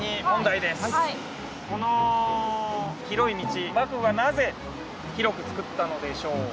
この広い道幕府はなぜ広くつくったのでしょうか？